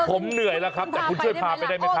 ผมเหนื่อยแล้วครับแต่คุณช่วยพาไปได้ไหมครับ